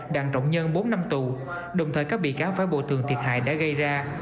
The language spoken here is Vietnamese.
đảng rộng nhân bốn năm tù đồng thời các bị cáo với bộ tường thiệt hại đã gây ra